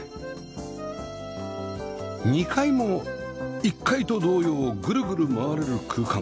２階も１階と同様グルグル回れる空間